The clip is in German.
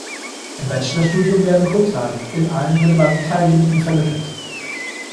Im Bachelorstudium werden Grundlagen in allen relevanten Teilgebieten vermittelt.